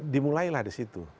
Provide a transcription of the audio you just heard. dimulailah di situ